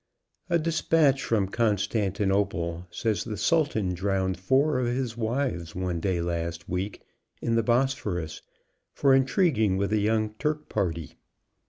A dispatch from Constantinople says the Sultan drowned four of his wives, one day last week, in the Bosphorus, for intriguing with a young Turk party.